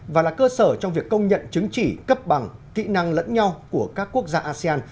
và là cơ sở trong việc công nhận chứng chỉ cấp bằng kỹ năng lẫn nhau của các quốc gia asean